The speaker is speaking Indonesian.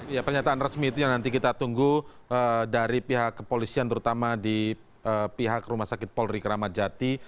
ya pernyataan resmi itu yang nanti kita tunggu dari pihak kepolisian terutama di pihak rumah sakit polri kramat jati